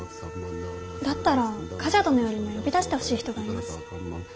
だったら冠者殿よりも呼び出してほしい人がいます。